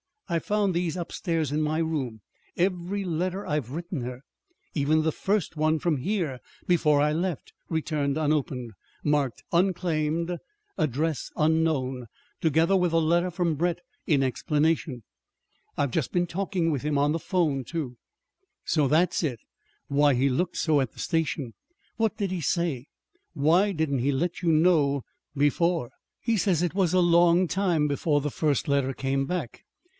I found these upstairs in my room every letter I've written her even the first one from here before I left returned unopened, marked 'unclaimed, address unknown,' together with a letter from Brett in explanation. I've just been talking with him on the 'phone, too." "So that's it why he looked so at the station! What did he say? Why didn't he let you know before?" "He says it was a long time before the first letter came back.